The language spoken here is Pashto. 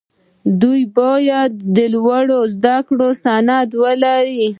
دوی باید د لوړو زدکړو سند ولري.